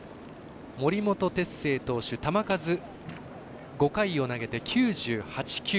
森本哲星投手球数、５回を投げて９８球。